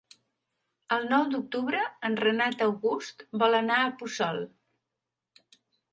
El nou d'octubre en Renat August vol anar a Puçol.